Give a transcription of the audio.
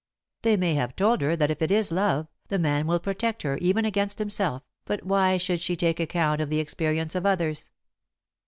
They may have told her that if it is love, the man will protect her even against himself, but why should she take account of the experience of others?